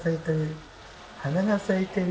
花が咲いてる。